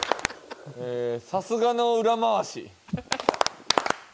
さすがの裏回し。